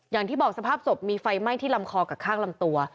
อย่างที่บอกสภาพศพมีไฟไหม้ที่ลำคอกับข้างลำตัว